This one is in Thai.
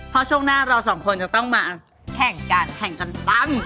เพราะช่วงหน้าเราสองคนจะต้องมาแข่งกันแข่งกันปั้ม